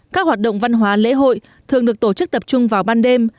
các hoạt động văn hóa lễ hội thường được tổ chức tập trung vào ban đêm